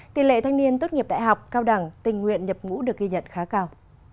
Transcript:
tỷ lệ thanh niên tốt nghiệp đại học cao đẳng tình nguyện nhập ngũ được ghi nhận khá cao